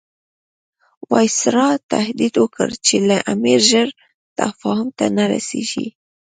وایسرا تهدید وکړ چې که امیر ژر تفاهم ته نه رسیږي.